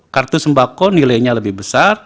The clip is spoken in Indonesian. kartu sembako nilainya lebih besar